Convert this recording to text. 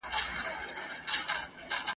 زموږ د دونه ډيرښت سره سره، څنګه شرموښ يوسف خوري!